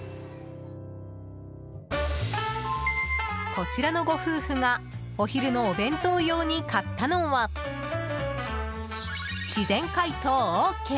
こちらのご夫婦がお昼のお弁当用に買ったのは自然解凍ＯＫ！